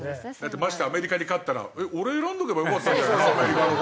ましてやアメリカに勝ったら俺選んどけばよかったアメリカの方でみたいな。